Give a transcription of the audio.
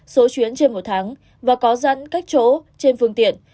số chuyến trên một tháng và có dẫn cách chỗ trên phương tiện